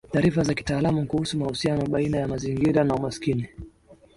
Taarifa za kitaalamu kuhusu mahusiano baina ya mazingira na umaskini